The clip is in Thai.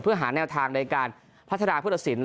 เพื่อหาแนวทางในการพัฒนาพุทธศิลป์